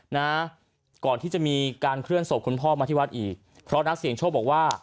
นะก่อนที่จะมีการเคลื่อนศพคุณพ่อมาที่วัดอีกเพราะนักเสียงโชคบอกว่า